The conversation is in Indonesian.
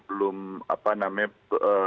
belum apa namanya